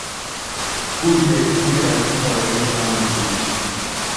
Günther y Gerhard todavía estaban dormidos.